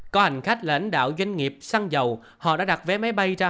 có hành khách lãnh đạo doanh nghiệp săn dầu họ đã đặt vé máy bay ra hà nội